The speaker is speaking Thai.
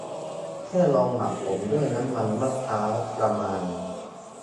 แค่ลองหมักผมด้วยน้ำมันมะพร้าวประมาณ